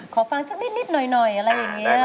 ขอฟังสักนิดหน่อยอะไรอย่างนี้